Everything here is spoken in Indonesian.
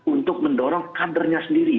untuk mendorong kadernya sendiri